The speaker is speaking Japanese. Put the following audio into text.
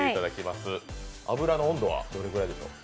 油の温度はどれぐらいですか？